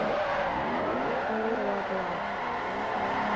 I. Louis the Well Beloved.